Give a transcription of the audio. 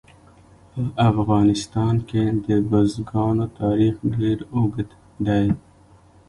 په افغانستان کې د بزګانو تاریخ ډېر اوږد دی.